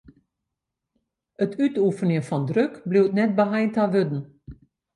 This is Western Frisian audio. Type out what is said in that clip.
It útoefenjen fan druk bliuwt net beheind ta wurden.